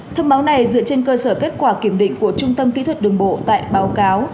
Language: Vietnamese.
thông báo này dựa trên cơ sở kết quả kiểm định của trung tâm kỹ thuật đường bộ tại báo cáo